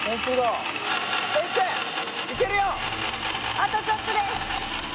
あとちょっとです。